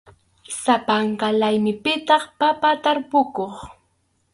Sapanka laymipitaq papa tarpukuq.